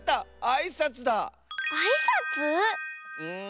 あいさつ？ん。